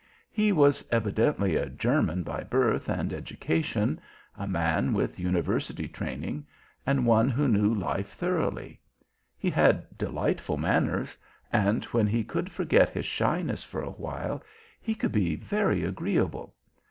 He was evidently a German by birth and education, a man with university training, and one who knew life thoroughly. He had delightful manners, and when he could forget his shyness for a while, he could be very agreeable.